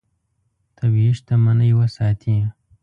طبیعي شتمنۍ وساتې.